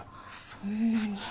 そんなに。